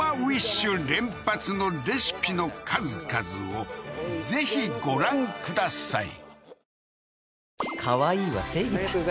しゅ連発のレシピの数々をぜひご覧ください